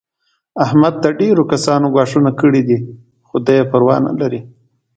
احمد ته ډېرو کسانو ګواښونه کړي دي. خو دی یې پروا نه لري.